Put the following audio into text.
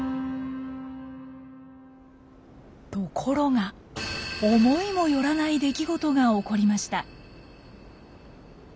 ところが思いもよらない出来事が起こりました。